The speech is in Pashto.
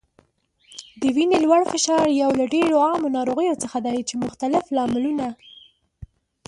د وینې لوړ فشار یو له ډیرو عامو ناروغیو څخه دی چې مختلف لاملونه